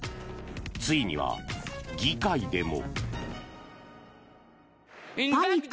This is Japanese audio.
ついには議会でも。